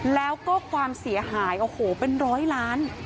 แล้วก็ความเสียหายโอ้โหเป็นร้อยล้าน